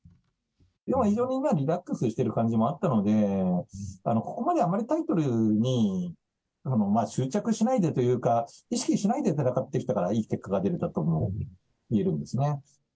でも非常にリラックスしてる感じもあったので、ここまであまりタイトルに執着しないでというか、意識しないで戦ってきたから、いい結果が出てたともいえるんですね。